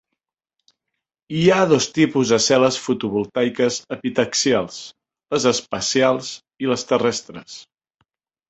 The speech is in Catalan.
Hi ha dos tipus de cel·les fotovoltaiques epitaxials: les espacials i les terrestres.